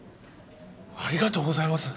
ありがとうございます！